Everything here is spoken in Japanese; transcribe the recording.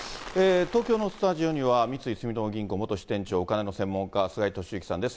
東京のスタジオには、三井住友銀行元支店長、お金の専門家、菅井敏之さんです。